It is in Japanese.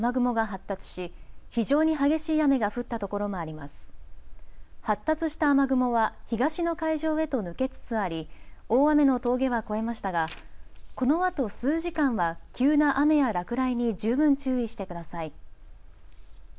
発達した雨雲は東の海上へと抜けつつあり大雨の峠は越えましたがこのあと数時間は急な雨や落雷に十分注意してください。